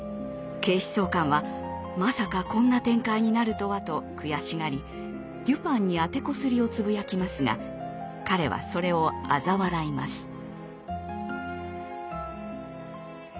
警視総監はまさかこんな展開になるとはと悔しがりデュパンに当てこすりをつぶやきますが彼はそれをあざ笑います。